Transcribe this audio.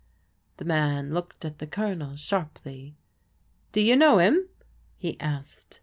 The man looked at the Colonel sharply. "Do you know him ?" he asked.